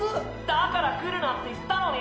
だから来るなって言ったのに！